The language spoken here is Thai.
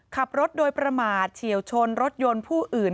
ขับรถโดยประมาทเฉียวชนรถยนต์ผู้อื่น